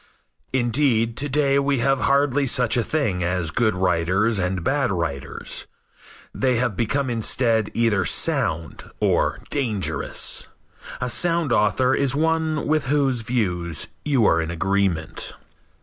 Indeed, to day we have hardly such a thing as good writers and bad writers. They have become instead either "sound" or "dangerous." A sound author is one with whose views you are in agreement.